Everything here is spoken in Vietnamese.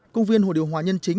công viên hồ điều hòa nhân chính